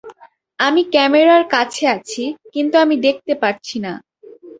আমি ক্যামেরার কাছে আছি, কিন্তু আমি দেখতে পারছি না।